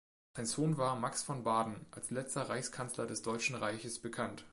Sein Sohn war Max von Baden, als letzter Reichskanzler des Deutschen Reiches bekannt.